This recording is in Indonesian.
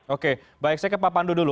oke baik saya ke pak pandu dulu